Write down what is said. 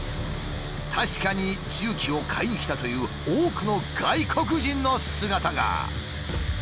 確かに重機を買いに来たという多くの外国人の姿が。